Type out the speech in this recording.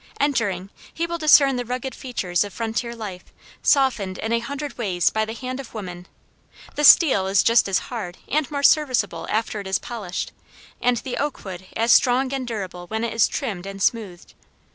Entering he will discern the rugged features of frontier life softened in a hundred ways by the hand of woman. The steel is just as hard and more serviceable after it is polished, and the oak wood as strong and durable when it is trimmed and smoothed.